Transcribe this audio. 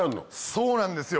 そうなんですよ